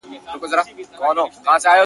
ته ولاړ سه د خدای کور ته، د شېخ لور ته، ورځه.